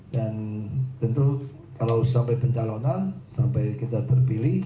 dan tentu kalau sampai pencalonan sampai kita terpilih